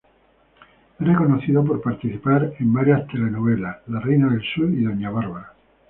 Es reconocido por participar por varias telenovelas La reina del sur y Doña Barbara.